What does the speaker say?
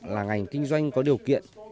là ngành kinh doanh có điều kiện